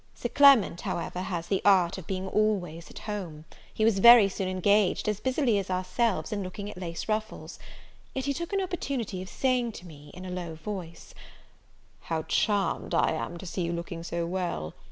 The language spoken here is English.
Sir Clement, however, has the art of being always at home; he was very soon engaged, as busily as ourselves, in looking at lace ruffles; yet he took an opportunity of saying to me, in a low voice, "How charmed I am to see you look so well!